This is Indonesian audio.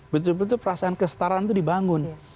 betul betul perasaan kestaraan itu dibangun